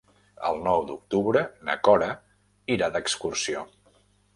El nou d'octubre na Cora irà d'excursió.